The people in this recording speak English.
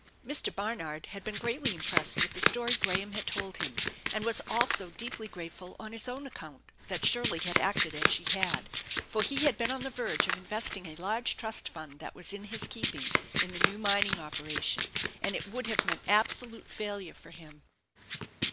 Mr. Barnard had been greatly impressed with the story Graham had told him, and was also deeply grateful on his own account that Shirley had acted as she had, for he had been on the verge of investing a large trust fund that was in his keeping in the new mining operation, and it would have meant absolute failure for him.